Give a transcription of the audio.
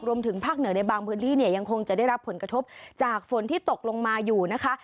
รวมถึงภาคเหนือในบางพื้นที่เนี่ยยังคงจะได้รับผลกระทบจากฝนที่ตกลงมาอยู่นะคะ